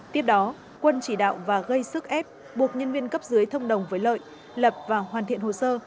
tiếp đó quân chỉ đạo và gây sức ép buộc nhân viên cấp dưới thông đồng với lợi lập và hoàn thiện hồ sơ